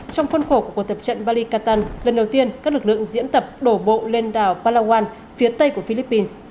trong khuôn khổ của cuộc tập trận bali katan lần đầu tiên các lực lượng diễn tập đổ bộ lên đảo palawan phía tây của philippines